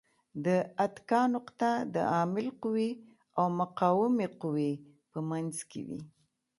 د اتکا نقطه د عامل قوې او مقاومې قوې په منځ کې وي.